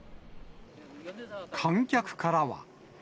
観客からは。